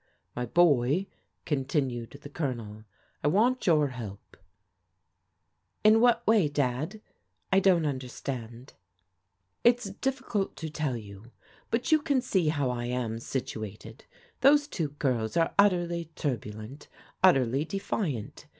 " My boy," continued the Colonel, " I want your help." " In what way. Dad? I don't understand." " It's difficult to tell you. But you can see how I am situated. Those two girls are utterly turbulent, utterly defiant.